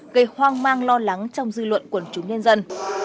gây hoang mang lo lắng trong dư luận quần chúng nhân dân